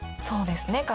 そうですね